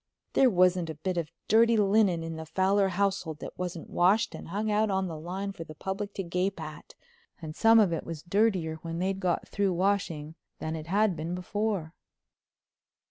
There wasn't a bit of dirty linen in the Fowler household that wasn't washed and hung out on the line for the public to gape at, and some of it was dirtier when they'd got through washing than it had been before.